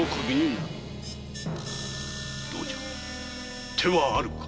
どうじゃ手はあるか？